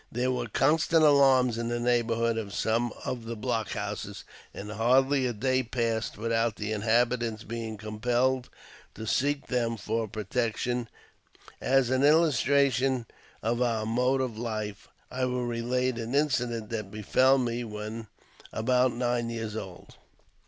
There were constant alarms in the neighbourhood of some of the block houses, and hardly a day passed without the inhabitants being compelled to seek them for protection. As an illustration of our mode of life, I will relate an incident that befel me w^hen about nine years old.